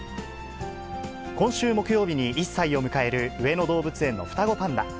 今週木曜日に１歳を迎える上野動物園の双子パンダ。